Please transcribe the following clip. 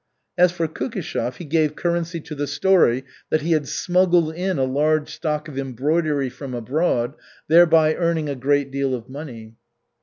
As for Kukishev, he gave currency to the story that he had smuggled in a large stock of embroidery from abroad, thereby earning a great deal of money.